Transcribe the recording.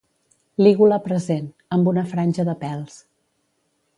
Lígula present; amb una franja de pèls.